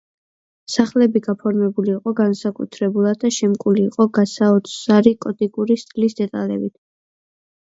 სახლები გაფორმებული იყო განსაკუთრებულად და შემკული იყო გასაოცარი გოტიკური სტილის დეტალებით.